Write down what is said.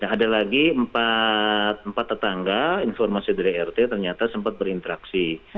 ada lagi tempat tetangga informasi dari rt ternyata sempat berinteraksi